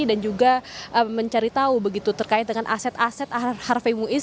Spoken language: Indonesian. dan juga mencari tahu begitu terkait dengan aset aset harvey muis